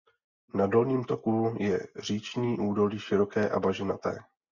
Na dolním toku je říční údolí široké a bažinaté.